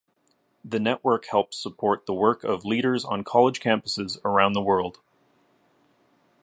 The network helps support the work of leaders on college campuses around the world.